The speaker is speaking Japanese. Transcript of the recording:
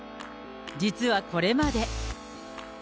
実はこれまで。